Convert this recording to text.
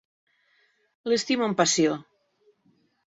L'estimo amb passió.